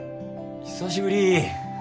久しぶり。